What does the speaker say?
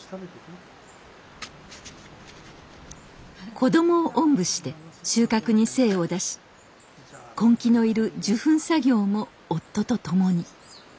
子どもをおんぶして収穫に精を出し根気のいる受粉作業も夫と共に。